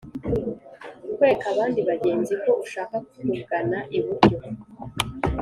kwereka abandi bagenzi ko ashaka kugana iburyo